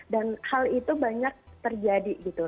dan hal itu banyak terjadi gitu